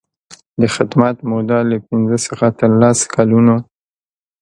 د خدمت موده له پنځه څخه تر لس کلونو.